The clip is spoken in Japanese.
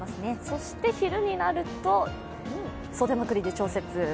そして昼になると袖まくりで調節。